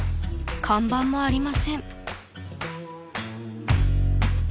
［看板もありません］